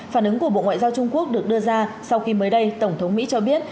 phản ứng của bộ ngoại giao trung quốc được đưa ra sau khi mới đây tổng thống mỹ cho biết